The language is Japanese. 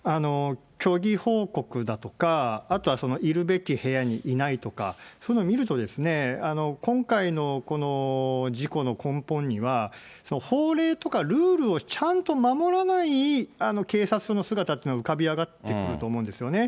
虚偽報告だとか、あとはいるべき部屋にいないとか、そういうのを見ると、今回のこの事故の根本には、法令とかルールをちゃんと守らない警察の姿っていうのが浮かび上がってくると思うんですよね。